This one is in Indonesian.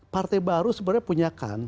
partai baru sebenarnya punyakan